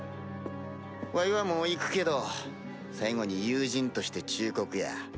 わいはもう行くけど最後に友人として忠告や。